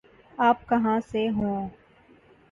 آپ کہاں سے ہوں؟